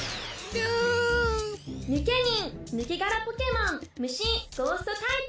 ヌケニンぬけがらポケモンむし・ゴーストタイプ。